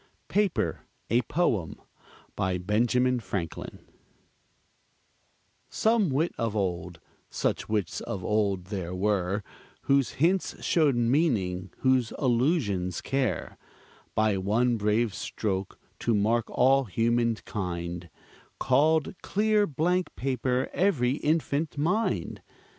PAPER: A POEM BY BENJAMIN FRANKLIN Some wit of old, such wits of old there were, Whose hints showed meaning, whose allusions care, By one brave stroke to mark all human kind, Called clear blank paper every infant mind!